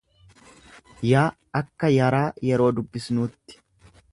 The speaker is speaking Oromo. y akka yaraa yeroo dubbisnuutti.